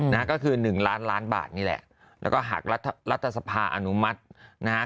นะฮะก็คือหนึ่งล้านล้านบาทนี่แหละแล้วก็หากรัฐสภาอนุมัตินะฮะ